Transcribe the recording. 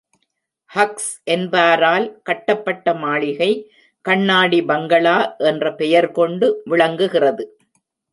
Hugs என்பாரால் கட்டப்பட்ட மாளிகை, கண்ணாடி பங்களா என்ற பெயர்கொண்டு விளங்குகிறது.